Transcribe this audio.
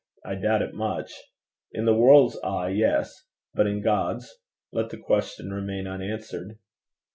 I doubt it much. In the world's eye, yes; but in God's? Let the question remain unanswered.